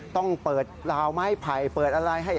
ต้องเปิดราวไม้ไผ่เปิดอะไรให้